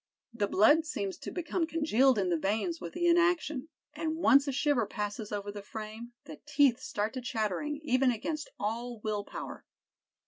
The blood seems to become congealed in the veins with the inaction; and once a shiver passes over the frame, the teeth start to chattering even against all will power.